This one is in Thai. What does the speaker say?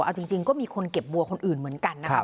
เอาจริงก็มีคนเก็บบัวคนอื่นเหมือนกันนะครับ